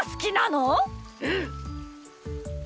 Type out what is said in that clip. うん！